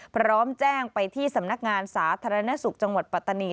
พร้อมแจ้งไปที่สำนักงานสาธารณสุขจังหวัดปัตตานี